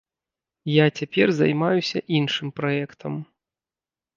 Я цяпер займаюся іншым праектам.